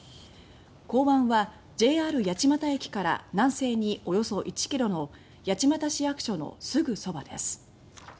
交番は、ＪＲ八街駅から南西におよそ１ｋｍの八街市役所のすぐそばです。